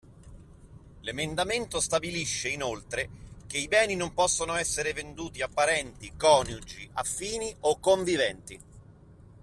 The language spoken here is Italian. L’emendamento stabilisce inoltre che i beni non possono essere venduti a parenti, coniugi, affini o conviventi